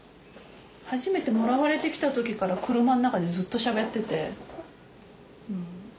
初めてもらわれてきた時から車の中でずっとしゃべってて。